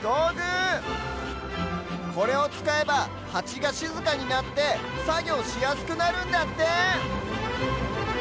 これをつかえばハチがしずかになってさぎょうしやすくなるんだって！